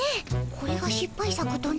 これがしっぱい作とな？